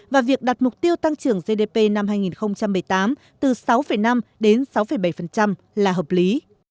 và việc đặt mục tiêu tăng trưởng gdp năm hai nghìn một mươi tám từ sáu năm đến sáu bảy là hợp lý